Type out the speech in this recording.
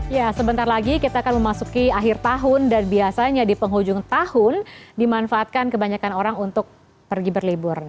ya sebentar lagi kita akan memasuki akhir tahun dan biasanya di penghujung tahun dimanfaatkan kebanyakan orang untuk pergi berlibur